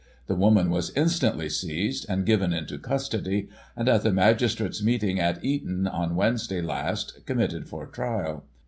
The woman was instantly seized, and given into custody ; and, at the magistrate's meet ing, at Eton, on Wednesday last, committed for trial.